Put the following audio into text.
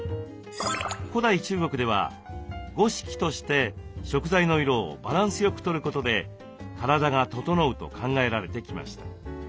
古代中国では五色として食材の色をバランスよくとることで体が整うと考えられてきました。